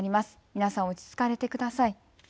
皆さん、落ち着かれてください。